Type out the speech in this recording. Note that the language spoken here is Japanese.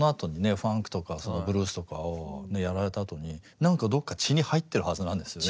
ファンクとかそのブルースとかをやられたあとになんかどっか血に入ってるはずなんですよね。